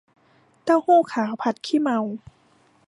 เต้าหู้ขาวผัดขี้เมา